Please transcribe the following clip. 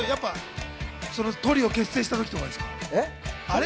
トリオ結成した時とかですか？